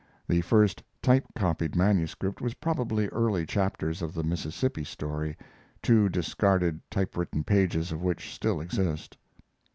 The first type copied manuscript was probably early chapters of the Mississippi story, two discarded typewritten pages of which still exist.